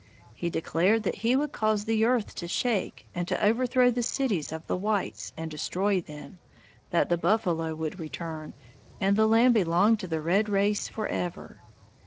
He declared that he would cause the earth to shake and to overthrow the cities of the whites and destroy them, that the buffalo would return, and the land belong to the red race forever!